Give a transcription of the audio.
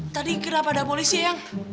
tadi kenapa ada polisi yang